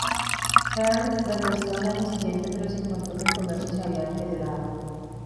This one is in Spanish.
Hearne regresó al año siguiente, pero se encontró que el comercio se había deteriorado.